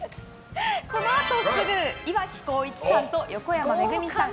このあとすぐ岩城滉一さんと横山めぐみさん